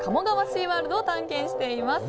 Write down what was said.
シーワールドを探検しています。